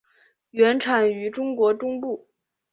原产于中国中部。